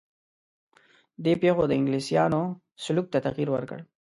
دې پېښو د انګلیسیانو سلوک ته تغییر ورکړ.